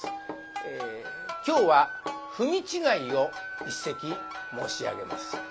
今日は「文違い」を一席申し上げます。